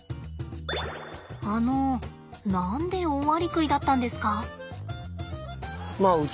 あの何でオオアリクイだったんですか？